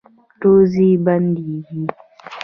روزي بندیږي؟